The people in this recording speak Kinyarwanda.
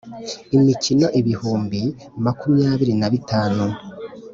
imikono ibihumbi makumyabiri na bitanu